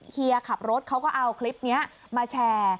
เฮียขับรถเขาก็เอาคลิปนี้มาแชร์